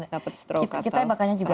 dapat stroke atau keadaan jantung